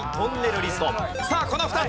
さあこの２つ。